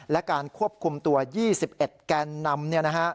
และการควบคุมตัว๒๑แกนนำ